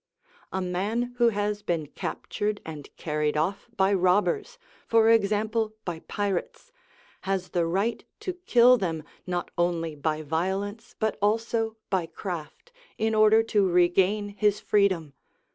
A man who has been captured and carried off by robbers, for example by pirates, has the right to kill them not only by violence but also by craft, in order to regain his freedom.